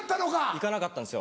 行かなかったんですよ。